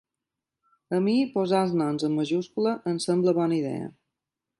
A mi posar els noms en majúscula em sembla bona idea.